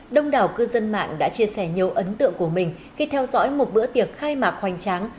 đông đảo cư dân mạng đã chia sẻ nhiều ấn tượng của mình khi theo dõi một bữa tiệc khai mạc hoành tráng